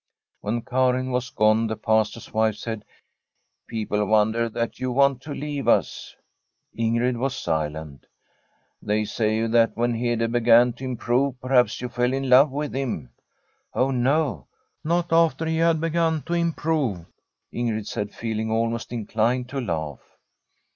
When Karin was gone the Pastor's wife said :* People wonder that you want to leave us.' Ingrid was silent. * They say that when Hede began to improve perhaps you fell in love with him. * Oh no ! Not after he had begun to improve,* Ing^d said, feeling almost inclined to laugh.